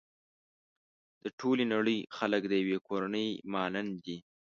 د ټولې نړۍ خلک د يوې کورنۍ مانند دي.